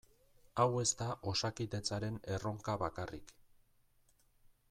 Hau ez da Osakidetzaren erronka bakarrik.